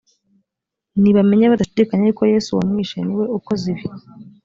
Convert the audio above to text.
nibamenye badashidikanya yuko yesu uwo mwishe niwe ukoze ibi